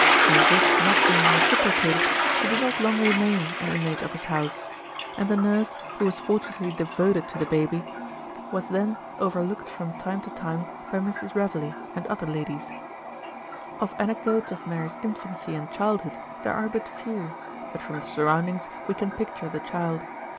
Her wish not being reciprocated, she did not long remain an inmate of his house, and the nurse, who was fortunately devoted to the baby, was then over 24 MRS. SHELLEY. looked from time to time by Mrs. Reveley and other ladies. Of anecdotes of Mary's infancy and childhood there are but few, but from the surroundings we can picture the child.